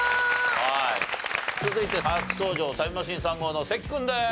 続いて初登場タイムマシーン３号の関君です。